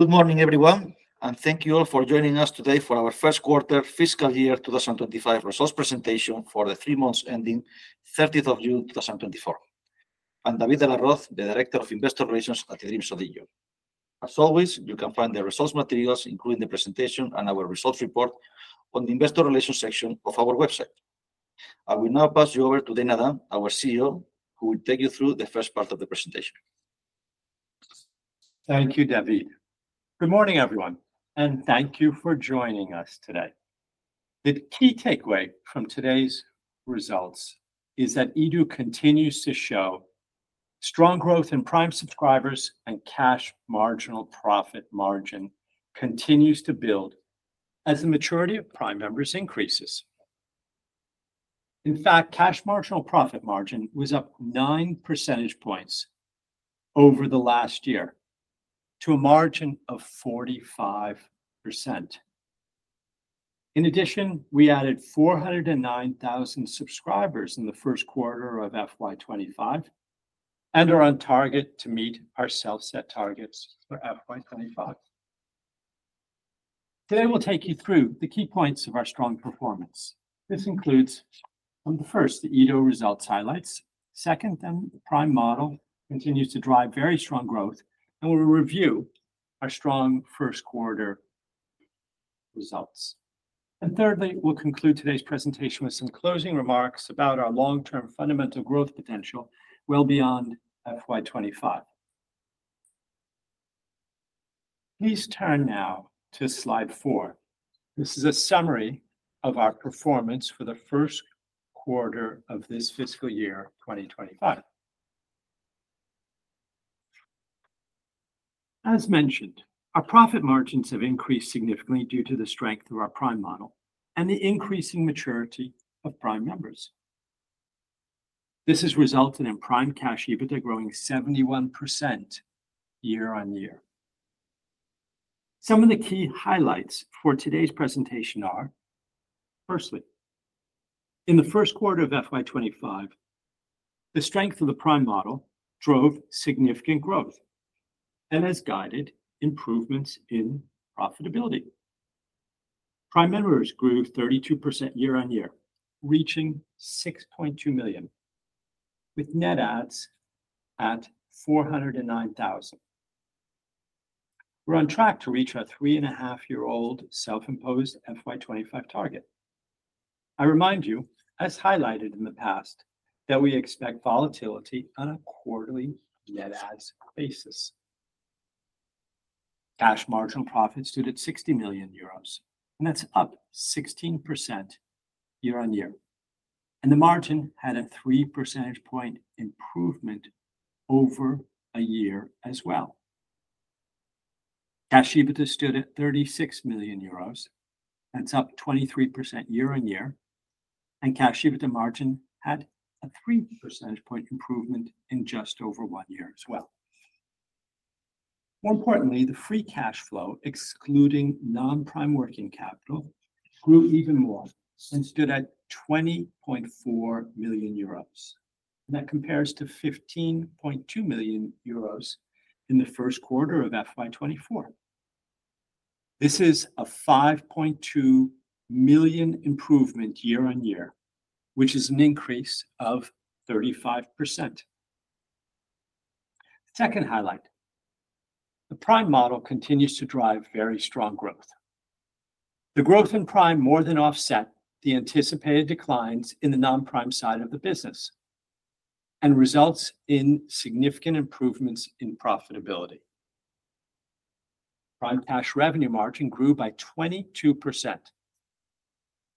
Good morning, everyone, and thank you all for joining us today for our first quarter fiscal year 2025 results presentation for the three months ending 30th of June 2024. I'm David de la Rocha, the Director of Investor Relations at eDreams ODIGEO. As always, you can find the results materials, including the presentation and our results report, on the Investor Relations section of our website. I will now pass you over to Dana Dunne, our CEO, who will take you through the first part of the presentation. Thank you, David. Good morning, everyone, and thank you for joining us today. The key takeaway from today's results is that eDO continues to show strong growth in Prime subscribers, and Cash Marginal Profit margin continues to build as the maturity of Prime members increases. In fact, Cash Marginal Profit margin was up 9 percentage points over the last year to a margin of 45%. In addition, we added 409,000 subscribers in the first quarter of FY 2025 and are on target to meet our self-set targets for FY 2025. Today, we'll take you through the key points of our strong performance. This includes, first, the eDO results highlights. Second, the Prime model continues to drive very strong growth, and we'll review our strong first quarter results. And thirdly, we'll conclude today's presentation with some closing remarks about our long-term fundamental growth potential, well beyond FY 2025. Please turn now to slide four. This is a summary of our performance for the first quarter of this fiscal year 2025. As mentioned, our profit margins have increased significantly due to the strength of our Prime model and the increasing maturity of Prime members. This has resulted in Prime cash EBITDA growing 71% year-on-year. Some of the key highlights for today's presentation are: firstly, in the first quarter of FY 2025, the strength of the Prime model drove significant growth and has guided improvements in profitability. Prime members grew 32% year-on-year, reaching 6.2 million, with net adds at 409,000. We're on track to reach our three-and-a-half-year-old self-imposed FY 2025 target. I remind you, as highlighted in the past, that we expect volatility on a quarterly net adds basis. Cash marginal profit stood at 60 million euros, and that's up 16% year-on-year, and the margin had a 3 percentage point improvement over a year as well. Cash EBITDA stood at 36 million euros. That's up 23% year-on-year, and cash EBITDA margin had a 3 percentage point improvement in just over one year as well. More importantly, the free cash flow, excluding non-Prime working capital, grew even more and stood at 20.4 million euros. That compares to 15.2 million euros in the first quarter of FY 2024. This is a 5.2 million improvement year-on-year, which is an increase of 35%. The second highlight, the Prime model continues to drive very strong growth. The growth in Prime more than offset the anticipated declines in the non-Prime side of the business and results in significant improvements in profitability. Prime cash revenue margin grew by 22%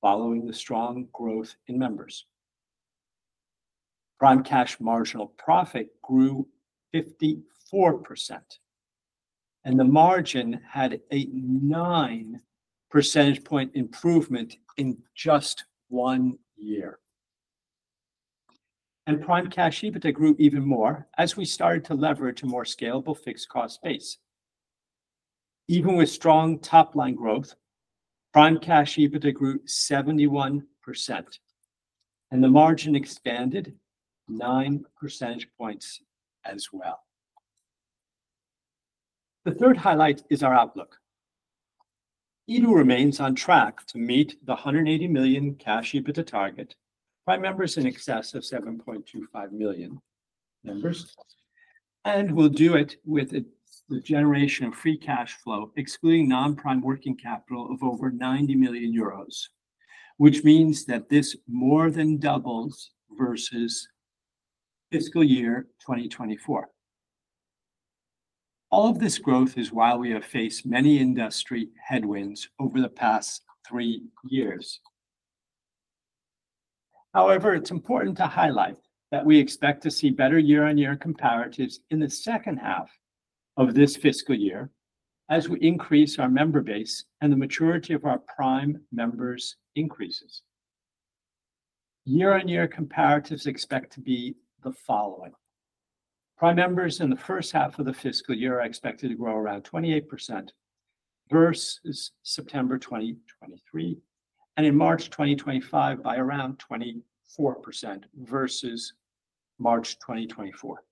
following the strong growth in members. Prime cash marginal profit grew 54%, and the margin had a 9 percentage point improvement in just one year. Prime cash EBITDA grew even more as we started to leverage a more scalable fixed cost base. Even with strong top-line growth, Prime cash EBITDA grew 71%, and the margin expanded 9 percentage points as well. The third highlight is our outlook. ODIGEO remains on track to meet the 180 million cash EBITDA target, Prime members in excess of 7.25 million members, and will do it with its generation of free cash flow, excluding non-Prime working capital of over 90 million euros, which means that this more than doubles versus fiscal year 2024. All of this growth is while we have faced many industry headwinds over the past three years. However, it's important to highlight that we expect to see better year-on-year comparatives in the second half of this fiscal year as we increase our member base and the maturity of our Prime members increases. Year-on-year comparatives expect to be the following: Prime members in the first half of the fiscal year are expected to grow around 28% versus September 2023, and in March 2025, by around 24% versus March 2024.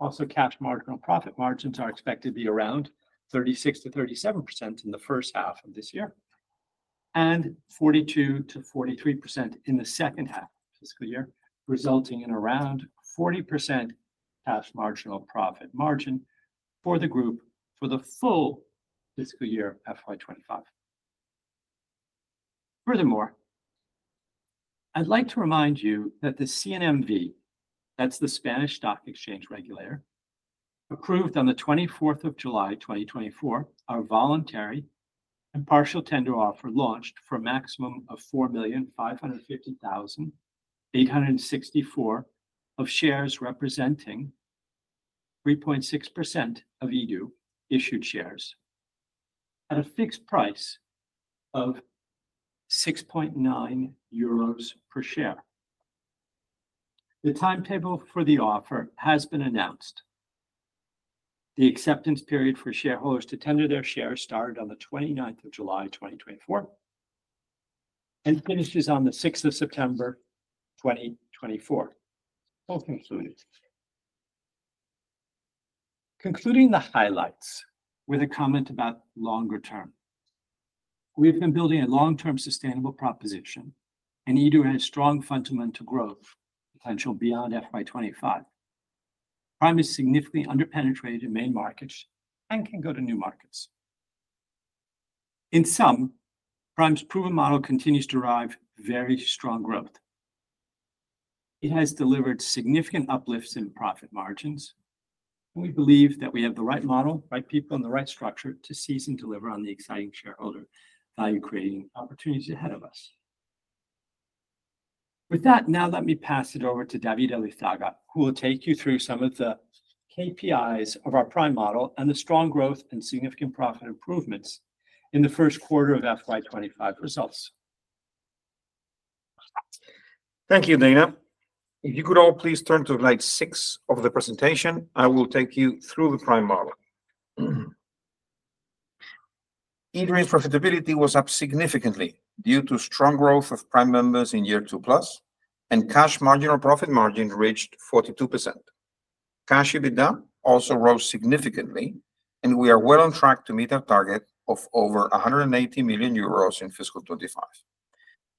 Also, cash marginal profit margins are expected to be around 36-37% in the first half of this year, and 42%-43% in the second half fiscal year, resulting in around 40% cash marginal profit margin for the group for the full fiscal year, FY 2025. Furthermore, I'd like to remind you that the CNMV, that's the Spanish Stock Exchange regulator, approved on the 24th of July, 2024, our voluntary and partial tender offer launched for a maximum of 4,550,864 of shares, representing 3.6% of eDO issued shares at a fixed price of 6.9 euros per share. The timetable for the offer has been announced. The acceptance period for shareholders to tender their shares started on 29th of July, 2024, and finishes on the 6th of September, 2024. All concluded. Concluding the highlights with a comment about longer term. We've been building a long-term sustainable proposition, and eDO has strong fundamental growth potential beyond FY 2025. Prime is significantly under-penetrated in main markets and can go to new markets. In sum, Prime's proven model continues to drive very strong growth. It has delivered significant uplifts in profit margins, and we believe that we have the right model, right people, and the right structure to seize and deliver on the exciting shareholder value, creating opportunities ahead of us. With that, now let me pass it over to David Elizaga, who will take you through some of the KPIs of our Prime model and the strong growth and significant profit improvements in the first quarter of FY 2025 results. Thank you, Dana. If you could all please turn to slide six of the presentation, I will take you through the Prime model. eDreams profitability was up significantly due to strong growth of Prime members in year two plus, and cash marginal profit margin reached 42%. Cash EBITDA also rose significantly, and we are well on track to meet our target of over 180 million euros in fiscal 2025.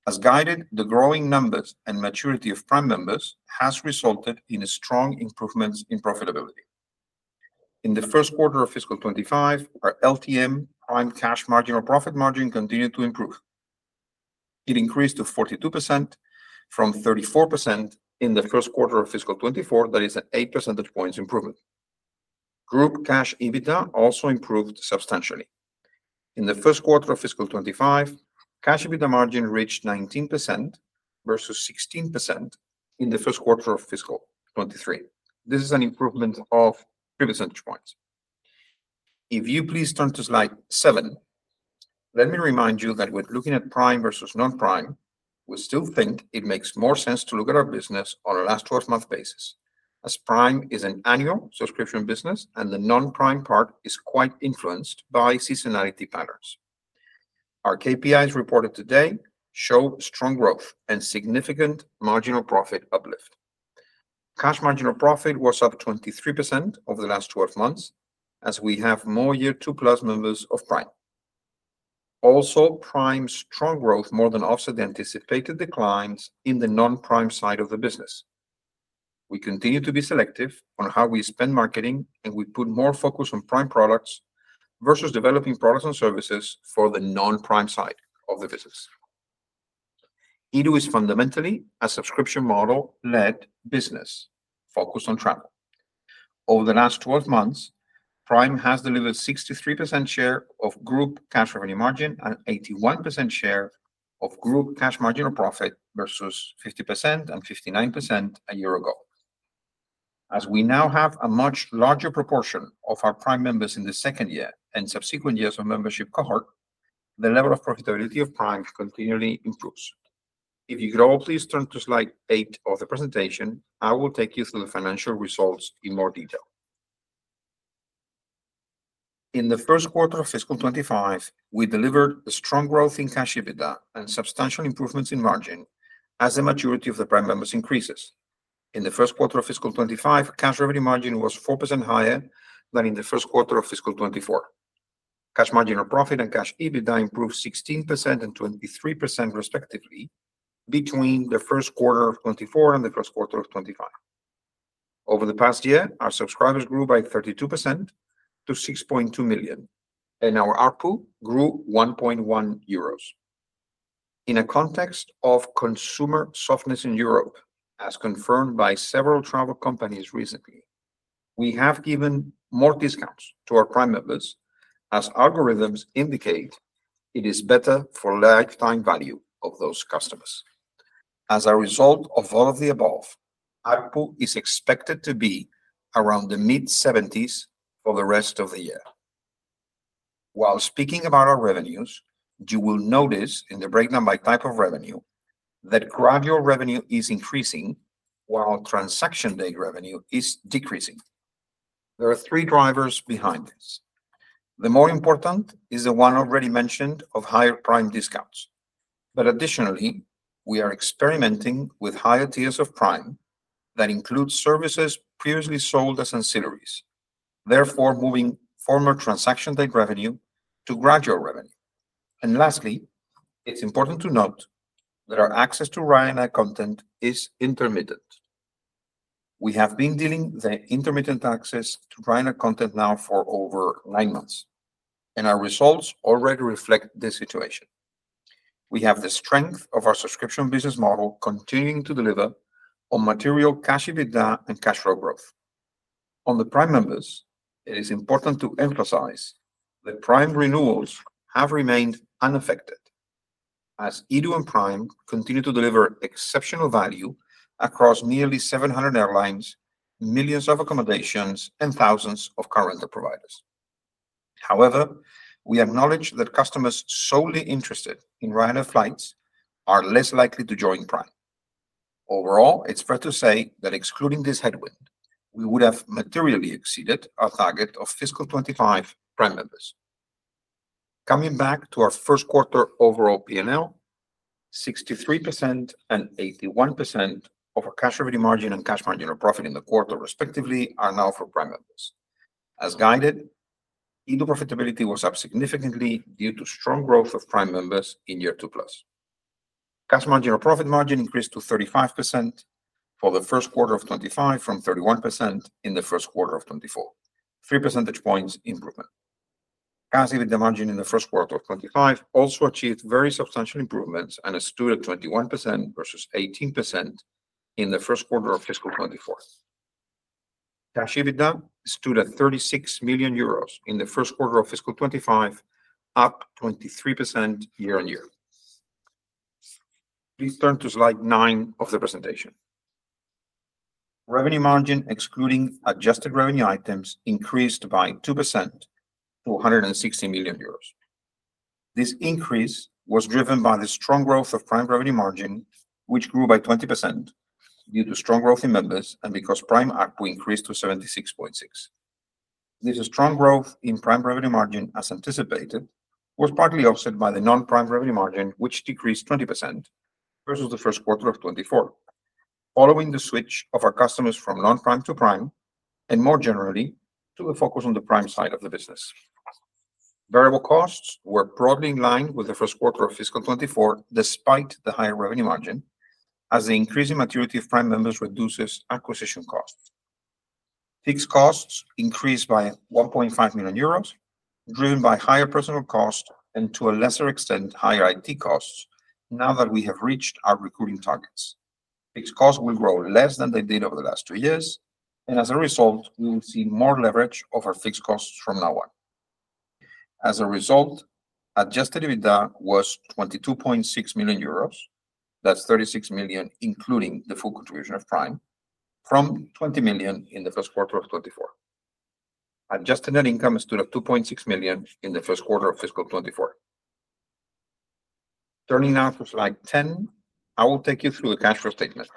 As guided, the growing numbers and maturity of Prime members has resulted in a strong improvements in profitability. In the first quarter of fiscal 2025, our LTM Prime cash marginal profit margin continued to improve. It increased to 42% from 34% in the first quarter of fiscal 2024. That is an 8 percentage points improvement. Group cash EBITDA also improved substantially. In the first quarter of fiscal 2025, cash EBITDA margin reached 19% versus 16% in the first quarter of fiscal 2023. This is an improvement of 3 percentage points. If you please turn to slide seven, let me remind you that when looking at Prime versus non-Prime, we still think it makes more sense to look at our business on a last 12-month basis, as Prime is an annual subscription business, and the non-Prime part is quite influenced by seasonality patterns. Our KPIs reported today show strong growth and significant marginal profit uplift. Cash marginal profit was up 23% over the last 12 months, as we have more year two-plus members of Prime. Also, Prime's strong growth more than offset the anticipated declines in the non-Prime side of the business. We continue to be selective on how we spend marketing, and we put more focus on Prime products versus developing products and services for the Non-Prime side of the business. eDO is fundamentally a subscription model-led business focused on travel. Over the last 12 months, Prime has delivered 63% share of group cash revenue margin and 81% share of group cash marginal profit, versus 50% and 59% a year ago. As we now have a much larger proportion of our Prime members in the second year and subsequent years of membership cohort, the level of profitability of Prime continually improves. If you could all please turn to slide eight of the presentation, I will take you through the financial results in more detail. In the first quarter of fiscal 2025, we delivered a strong growth in cash EBITDA and substantial improvements in margin as the maturity of the Prime members increases. In the first quarter of fiscal 2025, cash revenue margin was 4% higher than in the first quarter of fiscal 2024. Cash marginal profit and cash EBITDA improved 16% and 23%, respectively, between the first quarter of 2024 and the first quarter of 2025. Over the past year, our subscribers grew by 32% to 6.2 million, and our ARPU grew 1.1 euros. In a context of consumer softness in Europe, as confirmed by several travel companies recently, we have given more discounts to our Prime members, as algorithms indicate it is better for lifetime value of those customers. As a result of all of the above, ARPU is expected to be around the mid-seventies for the rest of the year. While speaking about our revenues, you will notice in the breakdown by type of revenue that Gradual Revenue is increasing, while Transactional Revenue is decreasing. There are three drivers behind this. The more important is the one already mentioned of higher Prime discounts. But additionally, we are experimenting with higher tiers of Prime that include services previously sold as ancillaries, therefore, moving former Transactional Revenue to Gradual Revenue. And lastly, it's important to note that our access to Ryanair content is intermittent. We have been dealing with the intermittent access to Ryanair content now for over nine months, and our results already reflect this situation. We have the strength of our subscription business model continuing to deliver on material Cash EBITDA and cash flow growth. On the Prime members, it is important to emphasize that Prime renewals have remained unaffected, as eDreams and Prime continue to deliver exceptional value across nearly seven hundred airlines, millions of accommodations, and thousands of car rental providers. However, we acknowledge that customers solely interested in Ryanair flights are less likely to join Prime. Overall, it's fair to say that excluding this headwind, we would have materially exceeded our target of fiscal 2025 Prime members. Coming back to our first quarter overall P&L, 63% and 81% of our cash revenue margin and Cash Marginal Profit in the quarter, respectively, are now for Prime members. As guided, eDreams profitability was up significantly due to strong growth of Prime members in year two plus. Cash Marginal Profit margin increased to 35% for the first quarter of 2025, from 31% in the first quarter of 2024, 3 percentage points improvement. Cash EBITDA margin in the first quarter of 2025 also achieved very substantial improvements and stood at 21% versus 18% in the first quarter of fiscal 2024. Cash EBITDA stood at 36 million euros in the first quarter of fiscal 2025, up 23% year-on-year. Please turn to slide nine of the presentation. Revenue margin, excluding adjusted revenue items, increased by 2% to 160 million euros. This increase was driven by the strong growth of Prime revenue margin, which grew by 20% due to strong growth in members and because Prime ARPU increased to 76.6. This strong growth in Prime revenue margin, as anticipated, was partly offset by the Non-Prime revenue margin, which decreased 20% versus the first quarter of 2024, following the switch of our customers from Non-Prime to Prime, and more generally, to a focus on the Prime side of the business. Variable costs were broadly in line with the first quarter of fiscal 2024, despite the higher revenue margin, as the increasing maturity of Prime members reduces acquisition costs. Fixed costs increased by 1.5 million euros, driven by higher personnel costs and, to a lesser extent, higher IT costs, now that we have reached our recruiting targets. Fixed costs will grow less than they did over the last two years, and as a result, we will see more leverage of our fixed costs from now on. As a result, Adjusted EBITDA was 22.6 million euros. That's 36 million, including the full contribution of Prime, from 20 million in the first quarter of 2024. Adjusted net income stood at 2.6 million in the first quarter of fiscal 2024. Turning now to slide 10, I will take you through the cash flow statement.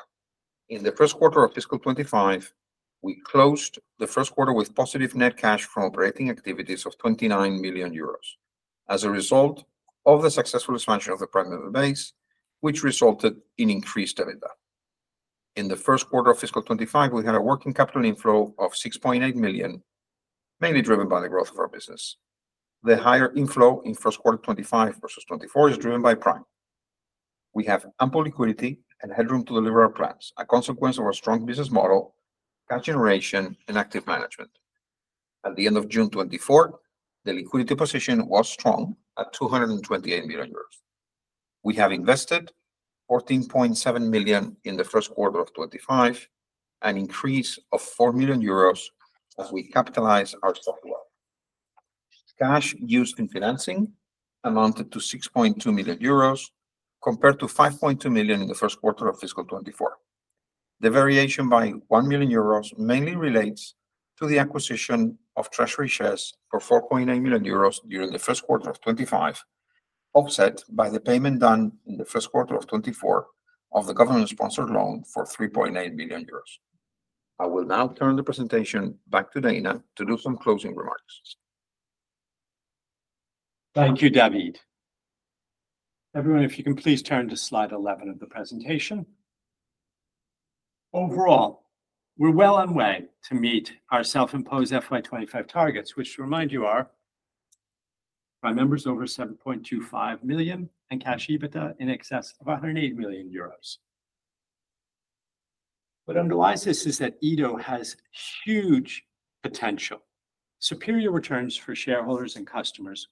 In the first quarter of fiscal 2025, we closed the first quarter with positive net cash from operating activities of 29 million euros as a result of the successful expansion of the Prime member base, which resulted in increased EBITDA. In the first quarter of fiscal 2025, we had a working capital inflow of 6.8 million, mainly driven by the growth of our business. The higher inflow in first quarter of 2025 versus 2024 is driven by Prime. We have ample liquidity and headroom to deliver our plans, a consequence of our strong business model, cash generation, and active management. At the end of June 2024, the liquidity position was strong at 228 million euros. We have invested 14.7 million in the first quarter of 2025, an increase of 4 million euros as we capitalize our software. Cash used in financing amounted to 6.2 million euros, compared to 5.2 million in the first quarter of fiscal 2024. The variation by 1 million euros mainly relates to the acquisition of treasury shares for 4.8 million euros during the first quarter of 2025, offset by the payment done in the first quarter of 2024 of the government-sponsored loan for 3.8 million euros. I will now turn the presentation back to Dana to do some closing remarks. Thank you, David. Everyone, if you can please turn to slide 11 of the presentation. Overall, we're well on way to meet our self-imposed FY 2025 targets, which, to remind you, are Prime members over 7.25 million and cash EBITDA in excess of 108 million euros. What underlies this is that eDO has huge potential, superior returns for shareholders and customers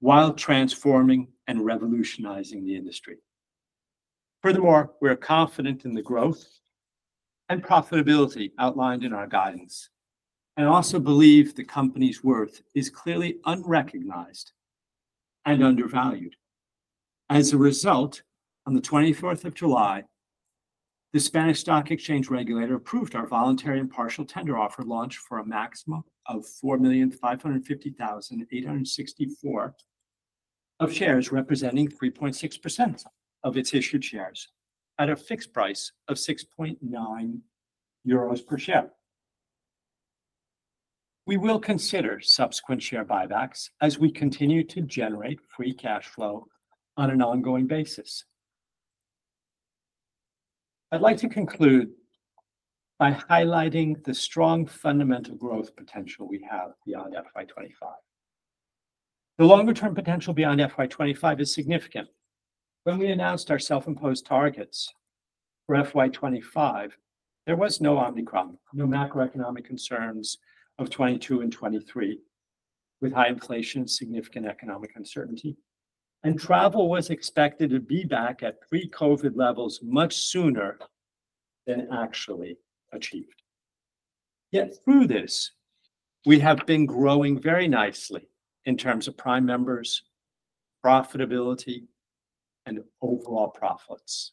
while transforming and revolutionizing the industry. Furthermore, we are confident in the growth and profitability outlined in our guidance, and also believe the company's worth is clearly unrecognized and undervalued. As a result, on the 24th of July, the Spanish Stock Exchange regulator approved our voluntary and partial tender offer launch for a maximum of 4,550,864 shares, representing 3.6% of its issued shares at a fixed price of 6.9 euros per share. We will consider subsequent share buybacks as we continue to generate free cash flow on an ongoing basis. I'd like to conclude by highlighting the strong fundamental growth potential we have beyond FY 2025. The longer-term potential beyond FY 2025 is significant. When we announced our self-imposed targets for FY 2025, there was no Omicron, no macroeconomic concerns of 2022 and 2023, with high inflation, significant economic uncertainty, and travel was expected to be back at pre-COVID levels much sooner than actually achieved. Yet through this, we have been growing very nicely in terms of Prime members, profitability, and overall profits.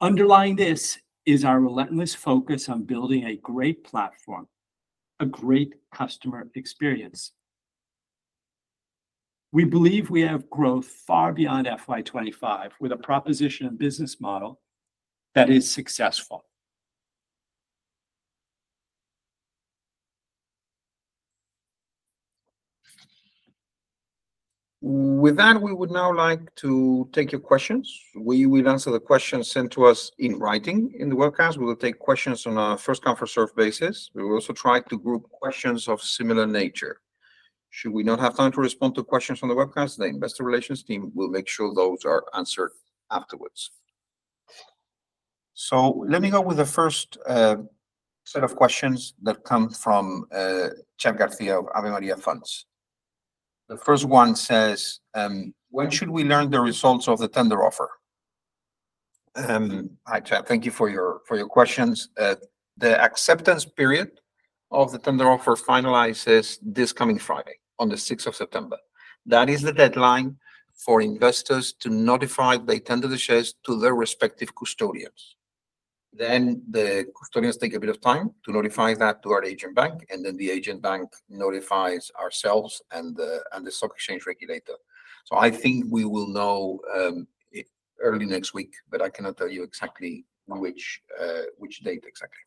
Underlying this is our relentless focus on building a great platform, a great customer experience. We believe we have growth far beyond FY 2025, with a proposition and business model that is successful. With that, we would now like to take your questions. We will answer the questions sent to us in writing in the webcast. We will take questions on a first-come, first-served basis. We will also try to group questions of similar nature. Should we not have time to respond to questions from the webcast, the investor relations team will make sure those are answered afterwards. So let me go with the first set of questions that come from Chadd Garcia of Ave Maria Funds. The first one says: When should we learn the results of the tender offer? Hi, Chad, thank you for your questions. The acceptance period of the tender offer finalizes this coming Friday, on the 6th of September. That is the deadline for investors to notify they tender the shares to their respective custodians. Then the custodians take a bit of time to notify that to our agent bank, and then the agent bank notifies ourselves and the, and the stock exchange regulator. So I think we will know early next week, but I cannot tell you exactly which, which date exactly.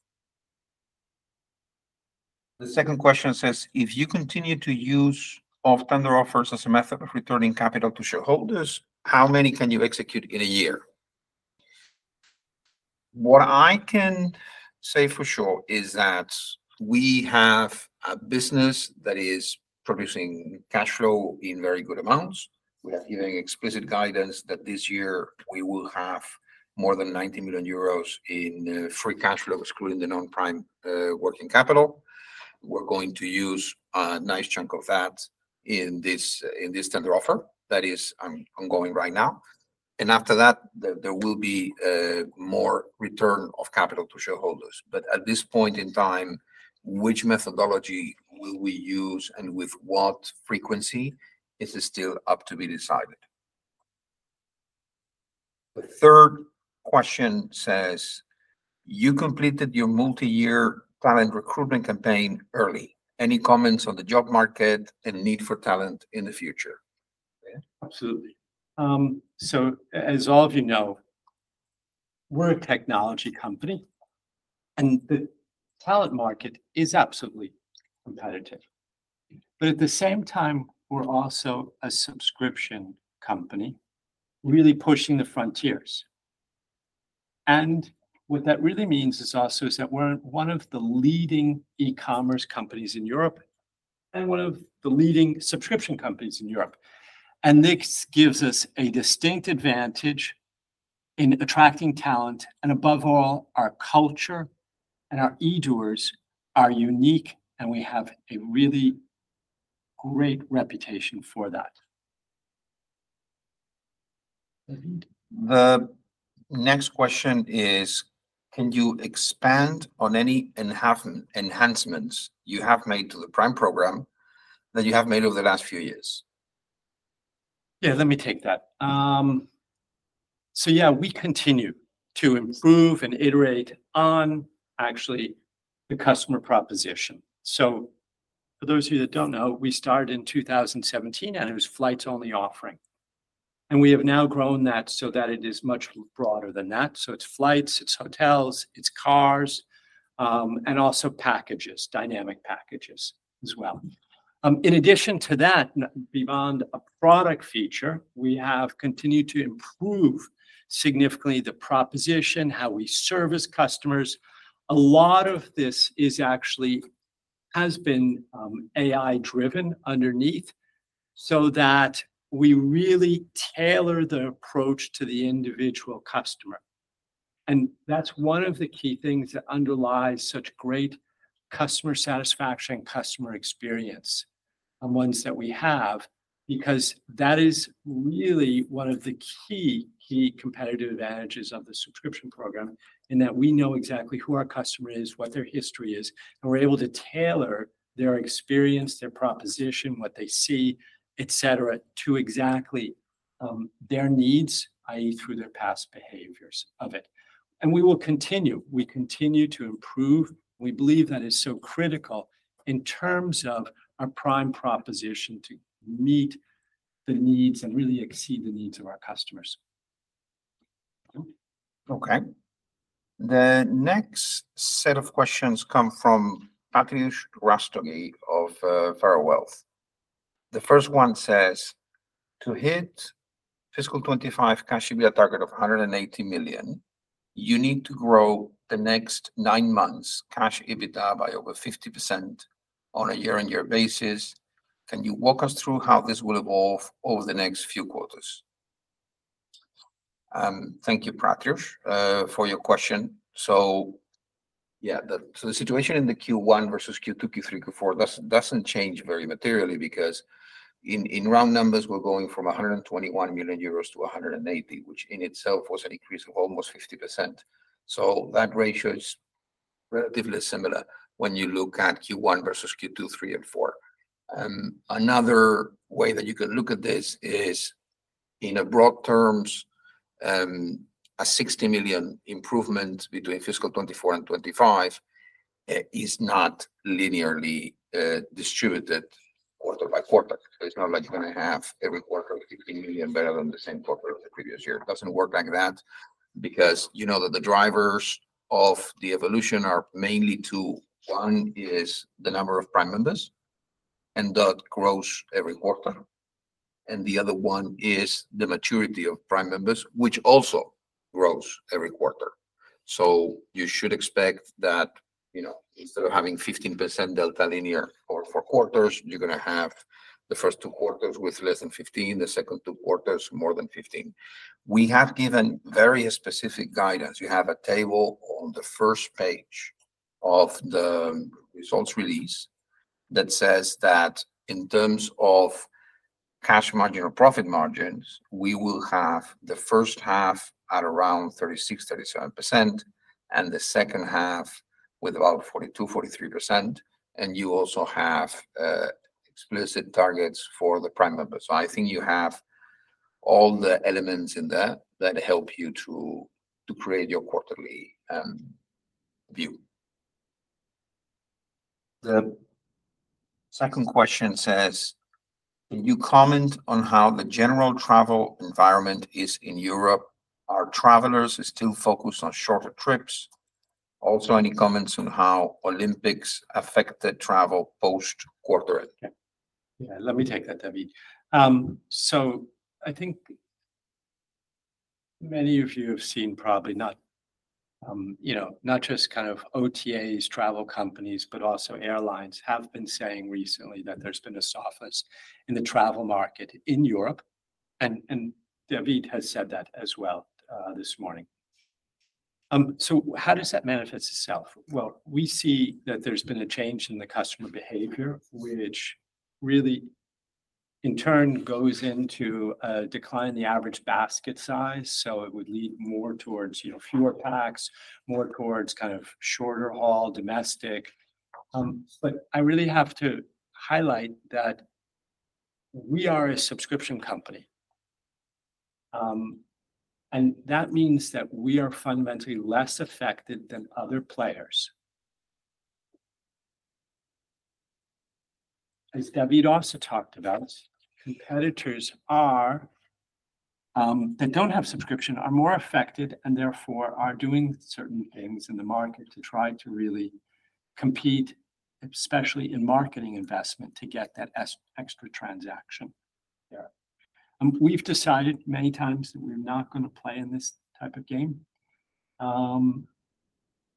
The second question says: If you continue to use off tender offers as a method of returning capital to shareholders, how many can you execute in a year? What I can say for sure is that we have a business that is producing cash flow in very good amounts. We have given explicit guidance that this year we will have more than 90 million euros in free cash flow, excluding the Non-Prime Working Capital. We're going to use a nice chunk of that in this, in this tender offer that is ongoing right now. And after that, will be more return of capital to shareholders. But at this point in time, which methodology will we use and with what frequency is still up to be decided. The third question says: You completed your multi-year talent recruitment campaign early. Any comments on the job market and need for talent in the future? Absolutely. So as all of you know, we're a technology company, and the talent market is absolutely competitive. But at the same time, we're also a subscription company, really pushing the frontiers. And what that really means is also that we're one of the leading e-commerce companies in Europe and one of the leading subscription companies in Europe. And this gives us a distinct advantage in attracting talent, and above all, our culture and our eDOers are unique, and we have a really great reputation for that. David? The next question is: Can you expand on any enhancements you have made to the Prime program that you have made over the last few years? Yeah, let me take that. So yeah, we continue to improve and iterate on, actually, the customer proposition. So for those of you that don't know, we started in 2017, and it was flights-only offering, and we have now grown that so that it is much broader than that. So it's flights, it's hotels, it's cars, and also packages, dynamic packages as well. In addition to that, beyond a product feature, we have continued to improve significantly the proposition, how we service customers. A lot of this actually has been AI-driven underneath, so that we really tailor the approach to the individual customer. And that's one of the key things that underlies such great customer satisfaction, customer experience, and ones that we have, because that is really one of the key, key competitive advantages of the subscription program, in that we know exactly who our customer is, what their history is, and we're able to tailor their experience, their proposition, what they see, et cetera, to exactly their needs, i.e., through their past behaviors of it. And we will continue, we continue to improve. We believe that is so critical in terms of our Prime proposition, to meet the needs and really exceed the needs of our customers. David? Okay. The next set of questions come from Akhil Rastogi of SphereInvest. The first one says: "To hit fiscal 2025 cash EBITDA target of 180 million, you need to grow the next nine months cash EBITDA by over 50% on a year-on-year basis. Can you walk us through how this will evolve over the next few quarters?" Thank you, Akhil, for your question. So, yeah, the, so the situation in the Q1 versus Q2, Q3, Q4, doesn't change very materially, because in round numbers, we're going from 121 million-180 million euros, which in itself was an increase of almost 50%. So that ratio is relatively similar when you look at Q1 versus Q2, Q3, and Q4. Another way that you can look at this is, in broad terms, a 60 million improvement between fiscal 2024 and 2025 is not linearly distributed quarter-by-quarter. So it's not like you're gonna have every quarter with 50 million better than the same quarter of the previous year. It doesn't work like that because, you know, that the drivers of the evolution are mainly two. One is the number of Prime members, and that grows every quarter, and the other one is the maturity of Prime members, which also grows every quarter. So you should expect that, you know, instead of having 15% delta linear for four quarters, you're gonna have the first two quarters with less than 15%, the second two quarters, more than 15%. We have given very specific guidance. We have a table on the first page of the results release that says that in terms of Cash Marginal Profit margins, we will have the first half at around 36%-37%, and the second half with about 42%-43%. And you also have explicit targets for the Prime members. So I think you have all the elements in there that help you to create your quarterly view. The second question says: "Can you comment on how the general travel environment is in Europe? Are travelers still focused on shorter trips? Also, any comments on how Olympics affected travel post-quarter? Yeah. Let me take that, David. So I think many of you have seen probably not, you know, not just kind of OTAs, travel companies, but also airlines have been saying recently that there's been a softness in the travel market in Europe, and, and David has said that as well, this morning. So how does that manifest itself? Well, we see that there's been a change in the customer behavior, which really, in turn, goes into a decline in the average basket size. So it would lead more towards, you know, fewer packs, more towards kind of shorter haul domestic. But I really have to highlight that we are a subscription company. And that means that we are fundamentally less affected than other players. As David also talked about, competitors are... That don't have subscription are more affected and therefore are doing certain things in the market to try to really compete, especially in marketing investment, to get that extra transaction. Yeah. We've decided many times that we're not gonna play in this type of game,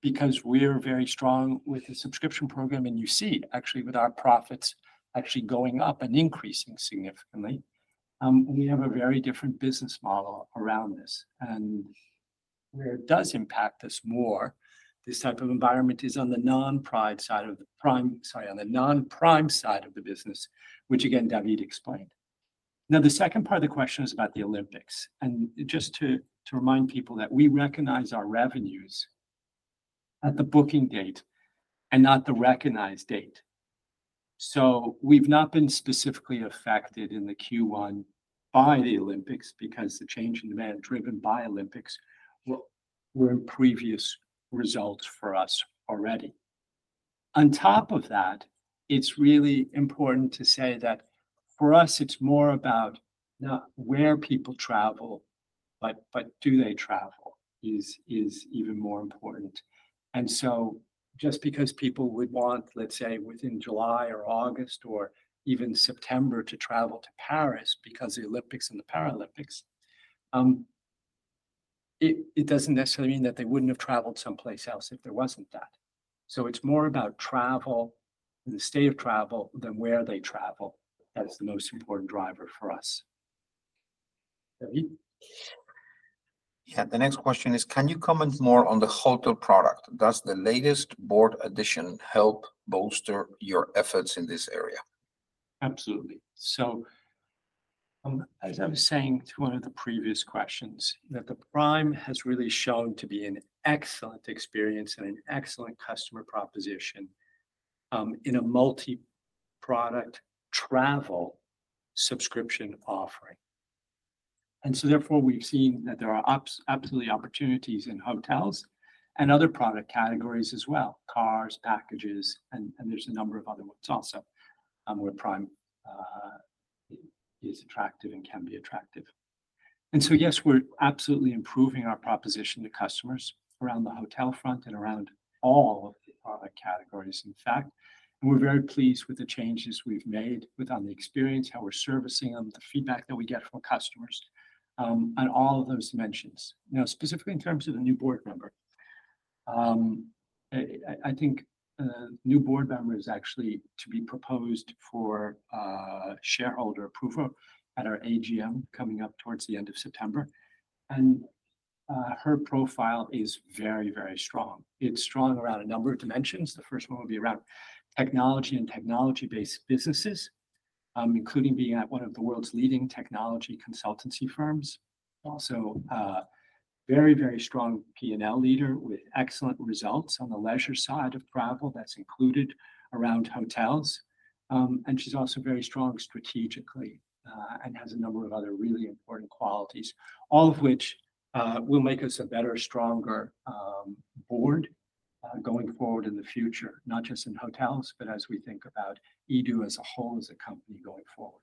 because we're very strong with the subscription program, and you see, actually, with our profits actually going up and increasing significantly. We have a very different business model around this, and where it does impact us more, this type of environment, is on the non-Prime side of the business, which again, David explained. Now, the second part of the question is about the Olympics, and just to remind people that we recognize our revenues at the booking date and not the recognized date. So we've not been specifically affected in the Q1 by the Olympics, because the change in demand driven by Olympics were in previous results for us already. On top of that, it's really important to say that for us, it's more about not where people travel, but do they travel, is even more important. And so just because people would want, let's say, within July or August or even September, to travel to Paris because of the Olympics and the Paralympics, it doesn't necessarily mean that they wouldn't have traveled someplace else if there wasn't that. So it's more about travel and the state of travel than where they travel. That is the most important driver for us. David? Yeah. The next question is: Can you comment more on the hotel product? Does the latest board addition help bolster your efforts in this area? Absolutely. So, as I was saying to one of the previous questions, that the Prime has really shown to be an excellent experience and an excellent customer proposition in a multi-product travel subscription offering, and so therefore, we've seen that there are absolutely opportunities in hotels and other product categories as well, cars, packages, and there's a number of other ones also, where Prime is attractive and can be attractive. So, yes, we're absolutely improving our proposition to customers around the hotel front and around all of the product categories, in fact, and we're very pleased with the changes we've made with on the experience, how we're servicing them, the feedback that we get from customers on all of those dimensions. Now, specifically in terms of the new board member, I think new board member is actually to be proposed for shareholder approval at our AGM coming up towards the end of September, and her profile is very, very strong. It's strong around a number of dimensions. The first one would be around technology and technology-based businesses, including being at one of the world's leading technology consultancy firms. Also, very, very strong P&L leader with excellent results on the leisure side of travel that's included around hotels. And she's also very strong strategically, and has a number of other really important qualities, all of which will make us a better, stronger board going forward in the future, not just in hotels, but as we think about eDO as a whole, as a company going forward.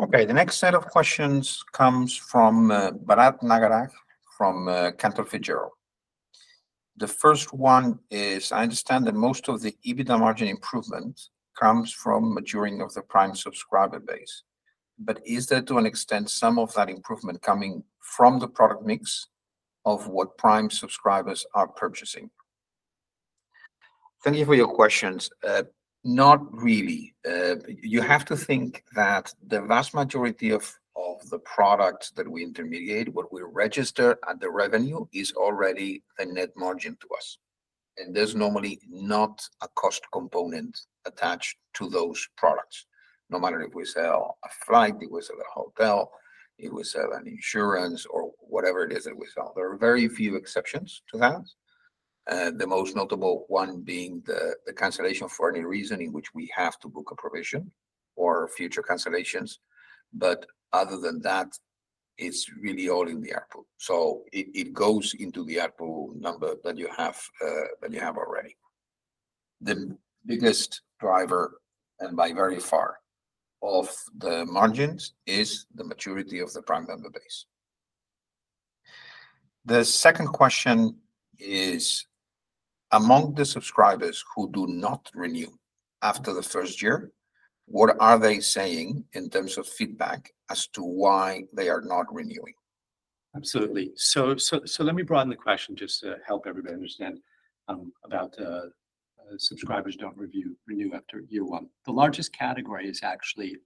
Okay, the next set of questions comes from Gaurav Nagar from Cantor Fitzgerald. The first one is, I understand that most of the EBITDA margin improvement comes from maturing of the Prime subscriber base, but is that to an extent, some of that improvement coming from the product mix of what Prime subscribers are purchasing? Thank you for your questions. Not really. You have to think that the vast majority of the products that we intermediate, what we register at the revenue, is already a net margin to us, and there's normally not a cost component attached to those products. No matter if we sell a flight, we sell a hotel, we sell an insurance, or whatever it is that we sell. There are very few exceptions to that, the most notable one being the cancellation for any reason, in which we have to book a provision or future cancellations. But other than that, it's really all in the output. So it goes into the output number that you have, that you have already. The biggest driver, and by very far, of the margins is the maturity of the Prime member base. The second question is, among the subscribers who do not renew after the first year, what are they saying in terms of feedback as to why they are not renewing? Absolutely. So let me broaden the question just to help everybody understand about subscribers don't renew after year one. The largest category is actually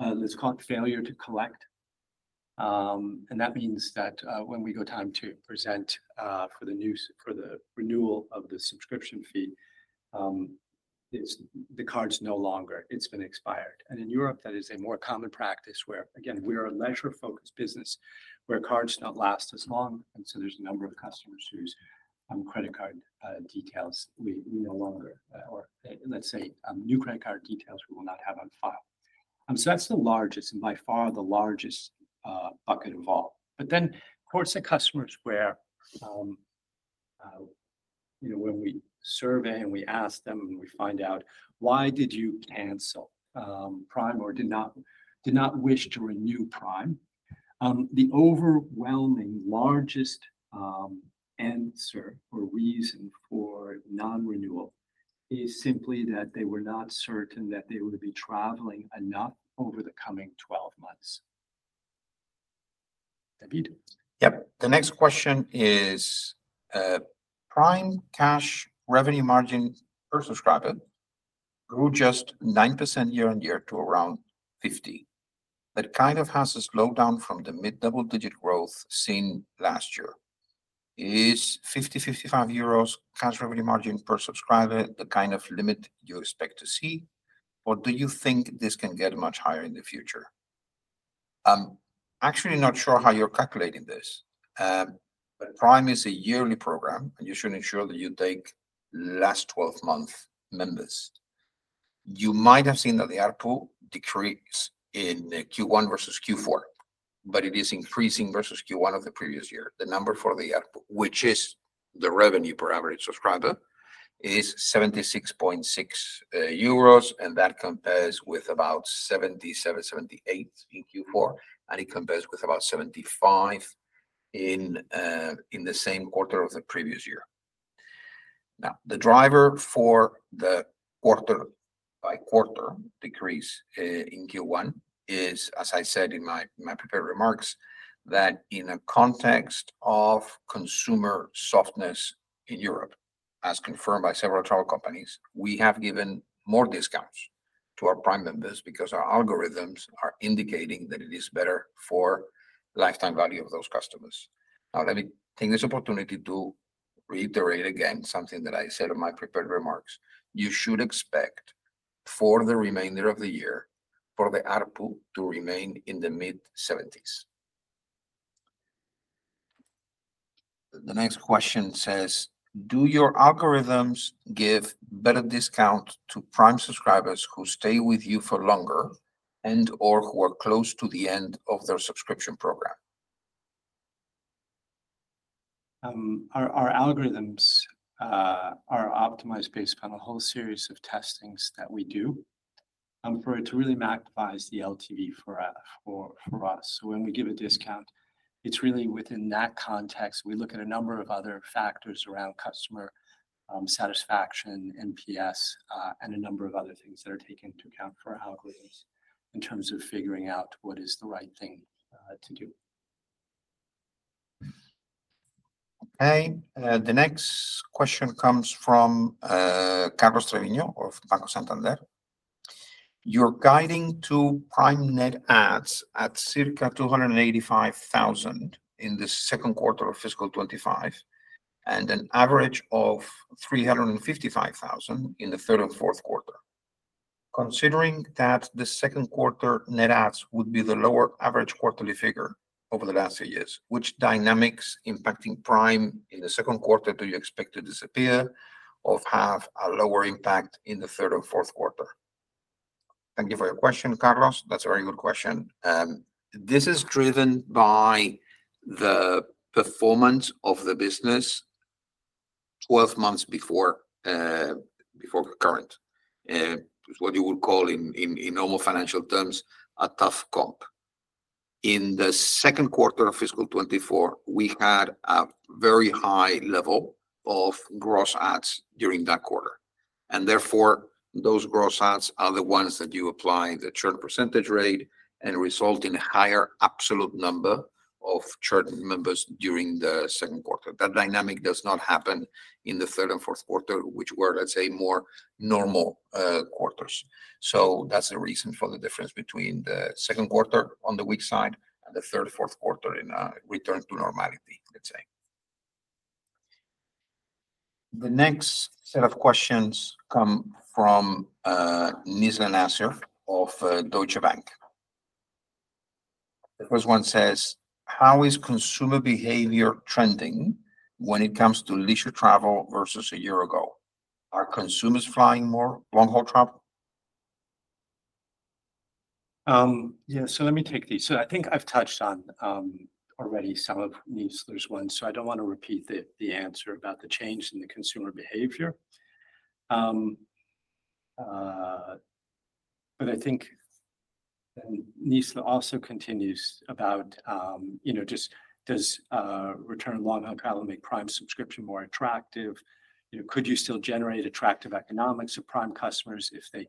it's called failure to collect. And that means that when it's time to present for the renewal of the subscription fee, the card's no longer. It's been expired. And in Europe, that is a more common practice where, again, we are a leisure-focused business, where cards do not last as long, and so there's a number of customers whose credit card details we no longer or let's say new credit card details we will not have on file. So that's the largest, and by far the largest bucket involved. But then, of course, the customers where, you know, when we survey and we ask them, and we find out: Why did you cancel Prime or did not wish to renew Prime? The overwhelming largest answer or reason for non-renewal is simply that they were not certain that they would be traveling enough over the coming 12 months. David? Yep. The next question is, Prime cash revenue margin per subscriber grew just 9% year-on-year to around 50. That kind of has a slowdown from the mid-double-digit growth seen last year. Is 50-55 euros cash revenue margin per subscriber the kind of limit you expect to see, or do you think this can get much higher in the future? I'm actually not sure how you're calculating this, but Prime is a yearly program, and you should ensure that you take last 12 months members. You might have seen that the ARPU decreased in Q1 versus Q4, but it is increasing versus Q1 of the previous year. The number for the ARPU, which is the revenue per average subscriber, is 76.6 euros, and that compares with about 77-78 in Q4, and it compares with about 75 in the same quarter of the previous year. Now, the driver for the quarter-by-quarter decrease in Q1 is, as I said in my prepared remarks, that in a context of consumer softness in Europe, as confirmed by several travel companies, we have given more discounts to our Prime members because our algorithms are indicating that it is better for lifetime value of those customers. Now, let me take this opportunity to reiterate again something that I said in my prepared remarks. You should expect for the remainder of the year, for the ARPU to remain in the mid-seventies. The next question says: Do your algorithms give better discount to Prime subscribers who stay with you for longer and/or who are close to the end of their subscription program? Our algorithms are optimized based on a whole series of testings that we do for it to really maximize the LTV for us. So when we give a discount, it's really within that context. We look at a number of other factors around customer satisfaction, NPS, and a number of other things that are taken into account for our algorithms in terms of figuring out what is the right thing to do. Okay. The next question comes from Carlos Treviño of Banco Santander. You're guiding to Prime net adds at circa 285,000 in the second quarter of fiscal 2025, and an average of 355,000 in the third and fourth quarter. Considering that the second quarter net adds would be the lower average quarterly figure over the last three years, which dynamics impacting Prime in the second quarter do you expect to disappear or have a lower impact in the third or fourth quarter? Thank you for your question, Carlos. That's a very good question. This is driven by the performance of the business 12 months before the current. It's what you would call in normal financial terms, a tough comp. In the second quarter of fiscal 2024, we had a very high level of gross adds during that quarter, and therefore, those gross adds are the ones that you apply the churn percentage rate and result in a higher absolute number of churn members during the second quarter. That dynamic does not happen in the third and fourth quarter, which were, let's say, more normal, quarters. So that's the reason for the difference between the second quarter on the weak side and the third, fourth quarter in a return to normality, let's say. The next set of questions come from, Nizla Naizer of, Deutsche Bank. The first one says: How is consumer behavior trending when it comes to leisure travel versus a year ago? Are consumers flying more long-haul travel? Yeah, so let me take these. So I think I've touched on already some of Nizla's ones, so I don't want to repeat the answer about the change in the consumer behavior. But I think then Nizla also continues about, you know, just does return long-haul travel make Prime subscription more attractive? You know, could you still generate attractive economics of Prime customers if they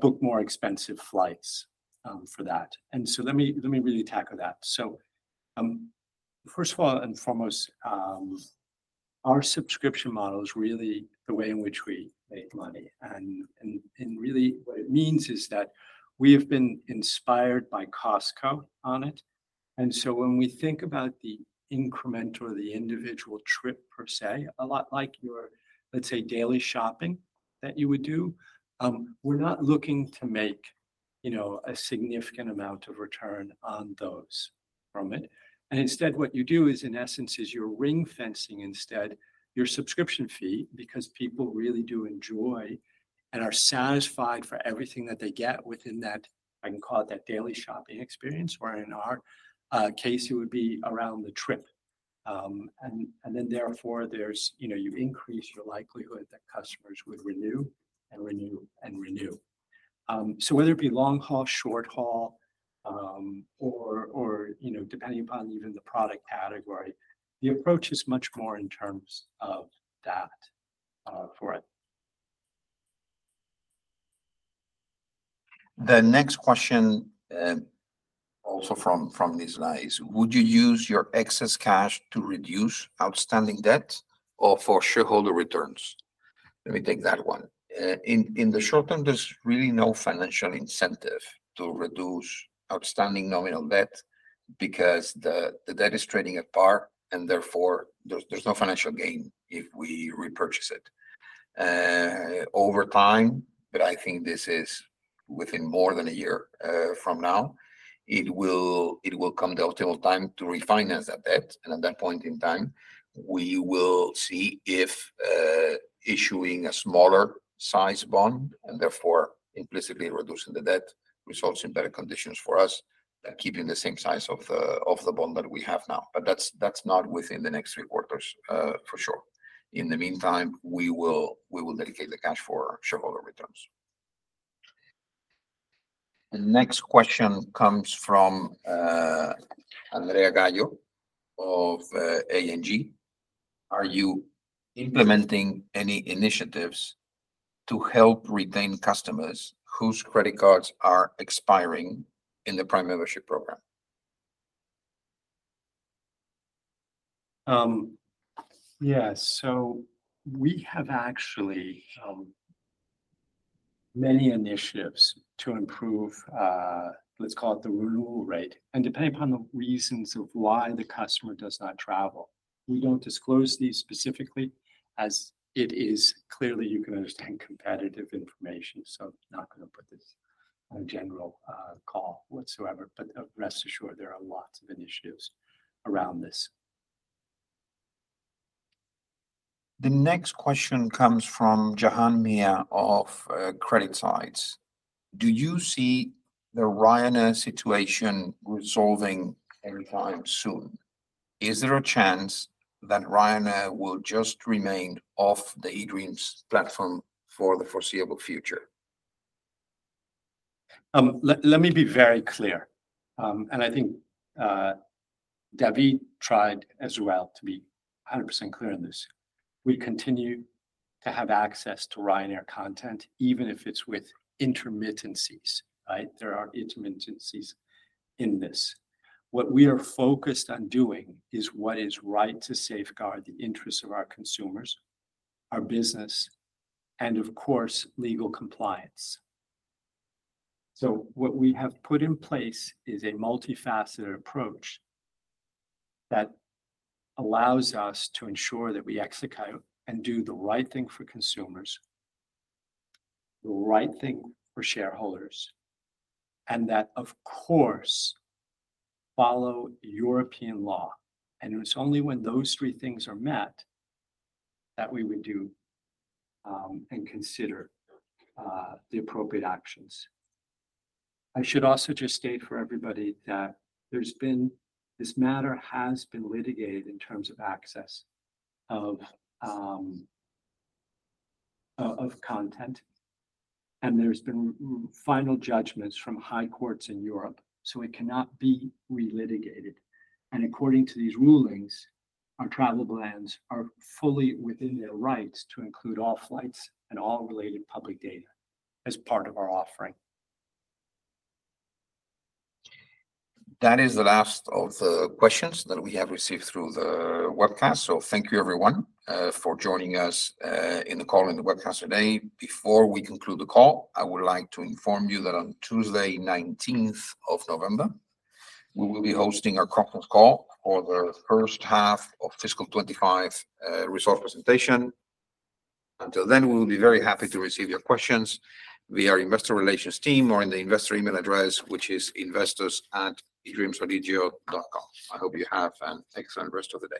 book more expensive flights for that? And so let me really tackle that. So, first of all and foremost, our subscription model is really the way in which we make money, and really what it means is that we have been inspired by Costco on it. And so when we think about the incremental or the individual trip per se, a lot like your, let's say, daily shopping that you would do, we're not looking to make, you know, a significant amount of return on those from it. And instead, what you do is, in essence, you're ring-fencing instead your subscription fee because people really do enjoy and are satisfied for everything that they get within that, I can call it that daily shopping experience, where in our case, it would be around the trip. And then therefore, there's, you know, you increase your likelihood that customers would renew and renew and renew. So whether it be long haul, short haul, or, or, you know, depending upon even the product category, the approach is much more in terms of that, for it. The next question, also from Nizla is: Would you use your excess cash to reduce outstanding debt or for shareholder returns? Let me take that one. In the short term, there's really no financial incentive to reduce outstanding nominal debt because the debt is trading at par, and therefore, there's no financial gain if we repurchase it. Over time, but I think this is within more than a year from now, it will come the optimal time to refinance that debt, and at that point in time, we will see if issuing a smaller size bond, and therefore implicitly reducing the debt, results in better conditions for us than keeping the same size of the bond that we have now. But that's not within the next three quarters, for sure. In the meantime, we will dedicate the cash for shareholder returns. The next question comes from Andrea Gayo of A&G. Are you implementing any initiatives to help retain customers whose credit cards are expiring in the Prime membership program? Yeah. So we have actually, many initiatives to improve, let's call it the renewal rate, and depending upon the reasons of why the customer does not travel. We don't disclose these specifically, as it is clearly, you can understand, competitive information, so not gonna put this on a general, call whatsoever. But, rest assured, there are lots of initiatives around this. The next question comes from Jahan Mia of CreditSights. Do you see the Ryanair situation resolving anytime soon? Is there a chance that Ryanair will just remain off the eDreams platform for the foreseeable future? Let me be very clear. And I think David tried as well to be 100% clear on this. We continue to have access to Ryanair content, even if it's with intermittencies, right? There are intermittencies in this. What we are focused on doing is what is right to safeguard the interests of our consumers, our business, and of course, legal compliance. So what we have put in place is a multifaceted approach that allows us to ensure that we execute and do the right thing for consumers, the right thing for shareholders, and that, of course, follow European law. And it's only when those three things are met that we would do and consider the appropriate actions. I should also just state for everybody that there's been... This matter has been litigated in terms of access of content, and there's been final judgments from high courts in Europe, so it cannot be relitigated. And according to these rulings, our travel plans are fully within their rights to include all flights and all related public data as part of our offering. That is the last of the questions that we have received through the webcast. So thank you, everyone, for joining us, in the call, in the webcast today. Before we conclude the call, I would like to inform you that on Tuesday, 19th of November, we will be hosting our conference call for the first half of fiscal 2025, result presentation. Until then, we will be very happy to receive your questions via our investor relations team or in the investor email address, which is investors@edreamsodigeo.com. I hope you have, and thanks, and rest of the day.